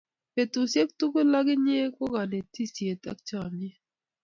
petusiek tugul ak inye ko kanetishiet ab chamiet